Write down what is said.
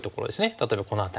例えばこの辺り。